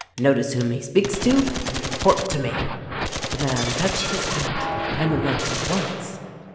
Notice whom he speaks to, and report to me." The man touched his hat and went at once.